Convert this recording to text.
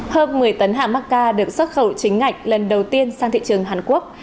hơn một mươi tấn hạng macca được xuất khẩu chính ngạch lần đầu tiên sang thị trường hàn quốc